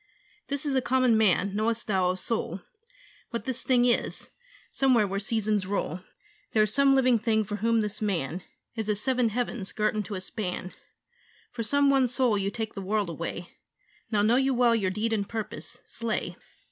'This is a common man: knowest thou, O soul, What this thing is? somewhere where seasons roll There is some living thing for whom this man Is as seven heavens girt into a span, For some one soul you take the world away Now know you well your deed and purpose. Slay!'